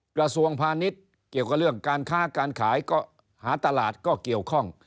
กระทรวงพาณิชย์เกี่ยวกับเรื่องการค้าการขายก็หาตลาดก็เกี่ยวข้อง